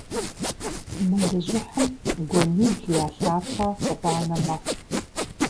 Мэлыжьыхьым гуэнибл я лъапэ гъуанэ мэхъу.